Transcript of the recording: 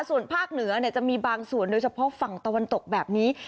ส่วนภาคเหนือจะมีบางส่วนโดยเฉพาะฝั่งตะวันตกแบบนี้